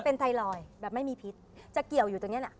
เป็นไทรอยด์แบบไม่มีพิษจะเกี่ยวอยู่ตรงเนี้ยน่ะ